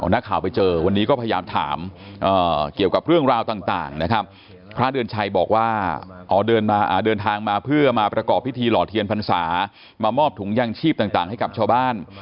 นักข่าวไปเจอวันนี้ก็พยายามถามเกี่ยวกับเรื่องราวต่างนะครับพระเดือนชัยบอกว่าอ๋อเดินทางมาเพื่อมาประกอบพิธีหล่อเทียนพรรษามามอบถุงยางชีพต่างให้กับชาวบ้าน